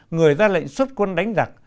người ra lệnh xuất quân đánh giặc